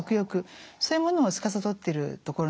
そういうものをつかさどっているところなんですね。